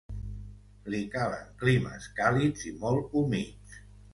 Li calen climes càlids i molt humits.